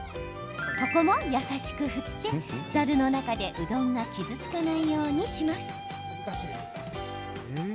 ここも優しく振ってざるの中でうどんが傷つかないようにします。